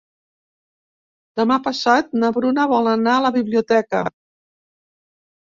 Demà passat na Bruna vol anar a la biblioteca.